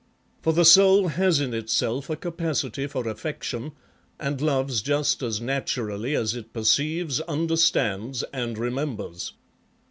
For the soul has in itself a capacity for affection, and loves just as naturally as it perceives, understands, and remembers.